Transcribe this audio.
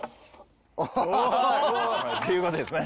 という事ですね。